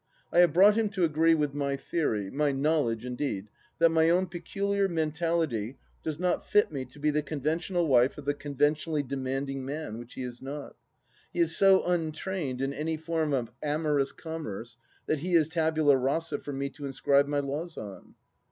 I have brought him to agree with my theory — my knowledge indeed — that myown peculiar mentality does not fit me to be the conventional wife of the conventionally demanding man, which he is not. He is so untrained in any form of amorous commerce that he is tabula rasa for me to inscribe my laws on.